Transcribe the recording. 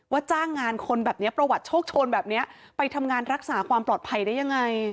จ้างงานคนแบบนี้ประวัติโชคโชนแบบนี้ไปทำงานรักษาความปลอดภัยได้ยังไง